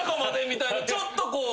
みたいなちょっとこう。